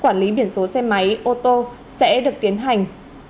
quản lý biển số xe máy ô tô sẽ được tiến hành